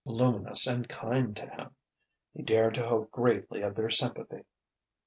luminous and kind to him: he dared to hope greatly of their sympathy.